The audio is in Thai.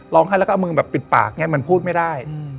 ร้องไห้แล้วก็มือปิดปากมันพูดไม่ได้